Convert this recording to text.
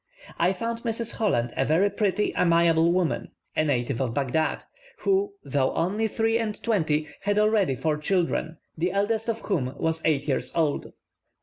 I found Mrs. Holland a very pretty, amiable woman (a native of Baghdad), who, though only three and twenty, had already four children, the eldest of whom was eight years old.